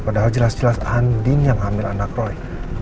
padahal jelas jelas andi yang hamil anak roy